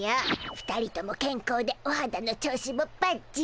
２人ともけんこうでおはだの調子もばっちし。